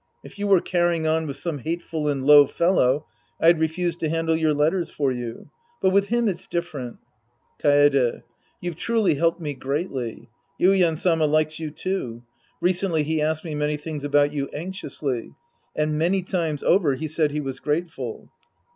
If you were carrying on with some hateful and low fellow, I'd refuse to handle your letters for you, but with him it's different. Kaede. You've truly helped me greatly. Yuien Sama likes you, too. Recently he asked many things about you anxiously. And many times over he said he was grateful.